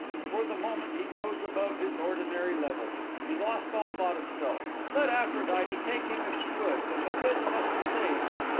For the moment he rose above his ordinary level. He lost all thought of self. Let Aphrodite take him if she would, but Matilda must be saved.